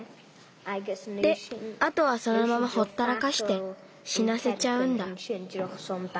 であとはそのままほったらかしてしなせちゃうんだ。